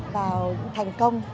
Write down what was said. vào thành công